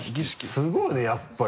すごいよねやっぱり。